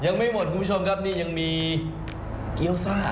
ยังไม่หมดคุณผู้ชมครับนี่ยังมีเกี้ยวซ่า